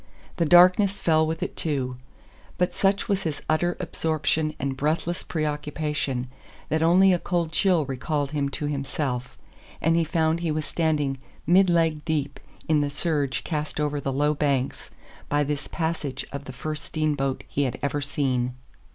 The darkness fell with it too. But such was his utter absorption and breathless preoccupation that only a cold chill recalled him to himself, and he found he was standing mid leg deep in the surge cast over the low banks by this passage of the first steamboat he had ever seen!